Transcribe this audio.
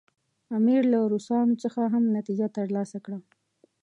امیر له روسانو څخه هم نتیجه ترلاسه کړه.